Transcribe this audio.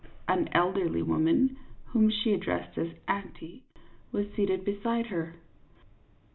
An elderly woman, whom she addressed as " auntie," was seated beside her.